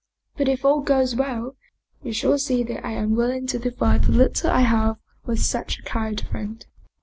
But if all goes well, you shall see that I am will ing to divide the little I have with such a kind friend."